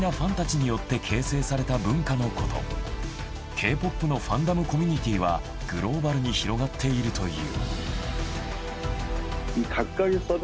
Ｋ−ＰＯＰのファンダムコミュニティーはグローバルに広がっているという。